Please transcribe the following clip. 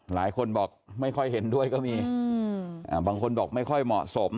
หลายคนบอกไม่ค่อยเห็นด้วยก็มีบางคนบอกไม่ค่อยเหมาะสม